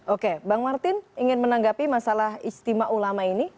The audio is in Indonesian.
oke bang martin ingin menanggapi masalah istimewa ulama ini